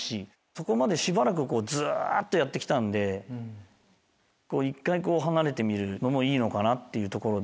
そこまでしばらくずっとやってきたんで１回離れてみるのもいいのかなってところで。